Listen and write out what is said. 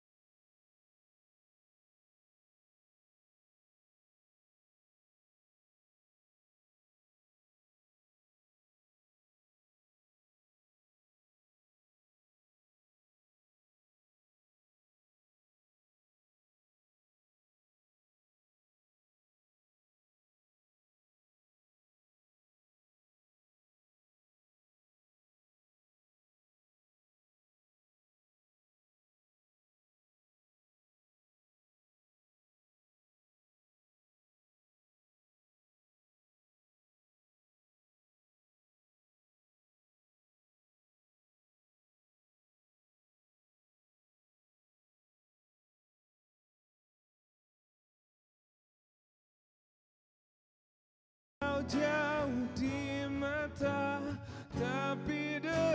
kau tidak pernah lagi bisa merasakan cinta